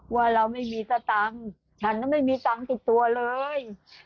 ว่าเราไม่มีสตังค์ฉันไม่มีตังค์ติดตัวเลย